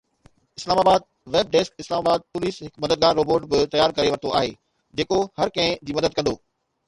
اسلام آباد (web desk) Islamabad police هڪ مددگار روبوٽ به تيار ڪري ورتو آهي جيڪو هر ڪنهن جي مدد ڪندو